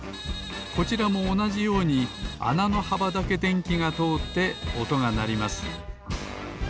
こちらもおなじようにあなのはばだけでんきがとおっておとがなります。